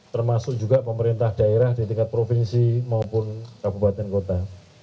termasuk juga pemerintah daerah di tingkat provinsi maupun kabupaten kota